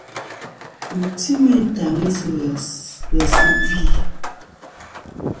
Wù ti meyn tàŋi sɨ̂ ghès, ghèsɨ yvɨ.